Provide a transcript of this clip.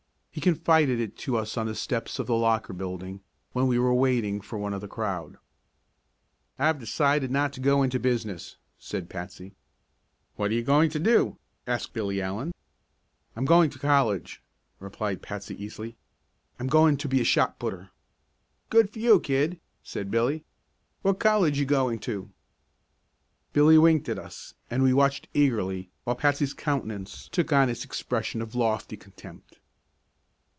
He confided it to us on the steps of the Locker Building when we were waiting for one of the crowd. "I've decided not to go into business," said Patsy. "What are you going to do?" asked Billy Allen. "I'm going to college," replied Patsy easily. "I'm goin' to be a shot putter." "Good for you, kid!" said Billy. "What college you going to?" Billy winked at us and we watched eagerly while Patsy's countenance took on its expression of lofty contempt.